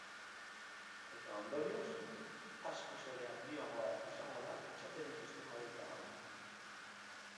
Eta ondorioz, askoz ere handiagoa izango da fitxategi-sistemaren tamaina.